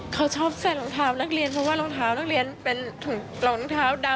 เขาชอบใส่รองเท้านักเรียนเพราะว่ารองเท้านักเรียนเป็นถุงรองเท้าดำ